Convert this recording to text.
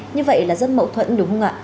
như vậy là rất mậu thuẫn đúng không ạ